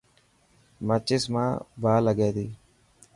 ماچس مان باهه لگي تي.